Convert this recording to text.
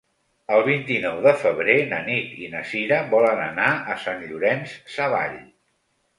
El vint-i-nou de febrer na Nit i na Sira volen anar a Sant Llorenç Savall.